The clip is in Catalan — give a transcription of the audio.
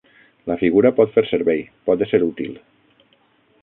La figura pot fer servei, pot ésser útil